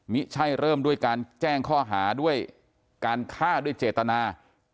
ไม่ใช่เริ่มด้วยการแจ้งข้อหาด้วยการฆ่าด้วยเจตนา